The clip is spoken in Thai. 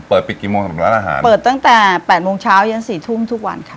เปิดตั้งแต่๘โมงเช้ายัง๔ทุ่มทุกวันค่ะ